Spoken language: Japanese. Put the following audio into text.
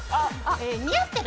似合ってる。